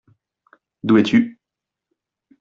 D’où es-tu ?